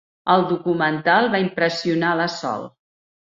El documental va impressionar la Sol.